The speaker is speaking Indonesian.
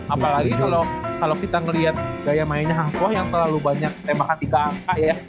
apalagi kalo kita ngeliat gaya mainnya hang tuah yang terlalu banyak tembakan tiga angka ya